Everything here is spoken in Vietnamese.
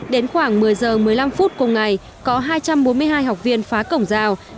đến khoảng một mươi giờ một mươi năm phút cùng ngày có hai trăm bốn mươi hai học viên phá cổng rào